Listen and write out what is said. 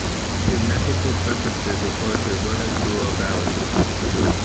His metrical preferences refer to vernacular ballads.